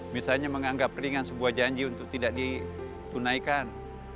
misalnya menganggap ringan sebuah janji untuk tidak ditunaikan